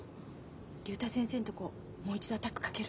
竜太先生んとこもう一度アタックかける？